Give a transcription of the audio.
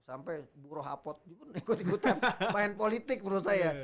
sampai burohapot ikut ikutan main politik menurut saya